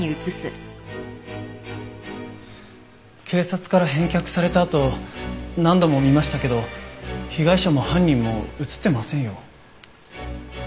警察から返却されたあと何度も見ましたけど被害者も犯人も写ってませんよ。